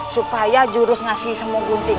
supaya jurusnya si semu gunting